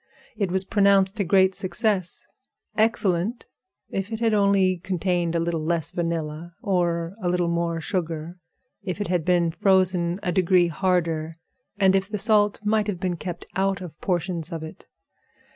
It was pronounced a great success—excellent if it had only contained a little less vanilla or a little more sugar, if it had been frozen a degree harder, and if the salt might have been kept out of portions of it.